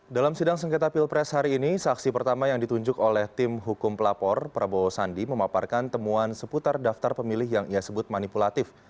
dalam sidang sengketa pilpres hari ini saksi pertama yang ditunjuk oleh tim hukum pelapor prabowo sandi memaparkan temuan seputar daftar pemilih yang ia sebut manipulatif